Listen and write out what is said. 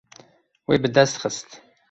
Wê bi dest xist.